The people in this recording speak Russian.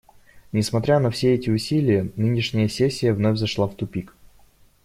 Несмотря на все эти усилия, нынешняя сессия вновь зашла в тупик.